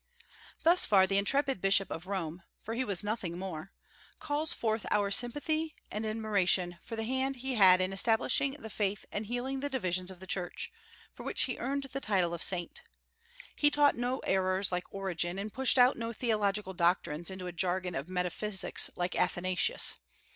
Thus far the intrepid bishop of Rome for he was nothing more calls forth our sympathy and admiration for the hand he had in establishing the faith and healing the divisions of the Church, for which he earned the title of Saint. He taught no errors like Origen, and pushed out no theological doctrines into a jargon of metaphysics like Athanasius.